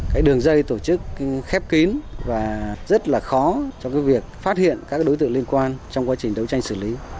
cái đường dây tổ chức khép kín và rất là khó trong cái việc phát hiện các đối tượng liên quan trong quá trình đấu tranh xử lý